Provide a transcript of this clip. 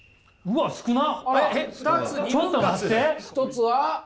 １つは？